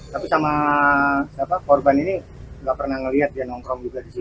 tapi sama korban ini nggak pernah melihat dia nongkrong juga di sini